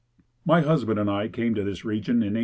My husband and I came to this region in 1854.